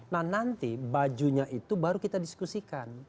nah nanti bajunya itu baru kita diskusikan